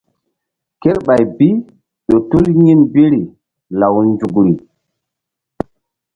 Kerɓay bi ƴo tul yin biri law nzukri.